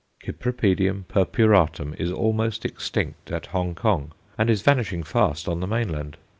Cyp. purpuratum is almost extinct at Hong Kong, and is vanishing fast on the mainland.